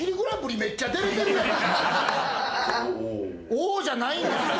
「おお」じゃないんす。